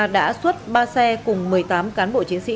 đã xuất ba xe cùng một mươi tám cán bộ chiến sĩ